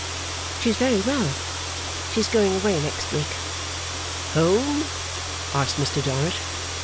'She is very well. She is going away next week.' 'Home?' asked Mr Dorrit.